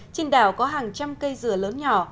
trên đảo có hàng trăm cây dừa lớn nhỏ